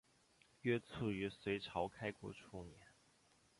约卒于隋朝开国初年。